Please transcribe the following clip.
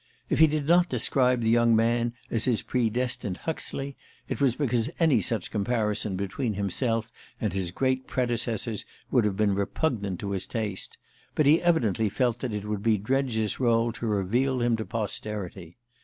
If he did not describe the young man as his predestined Huxley, it was because any such comparison between himself and his great predecessors would have been repugnant to his taste; but he evidently felt that it would be Dredge's role to reveal him to posterity.